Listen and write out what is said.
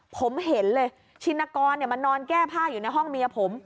ผมเห็นเลยชินกรมานอนแก้ผ้าอยู่ในห้องเมียผม